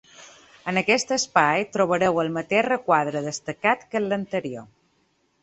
En aquest espai trobareu el mateix requadre destacat que en l’anterior.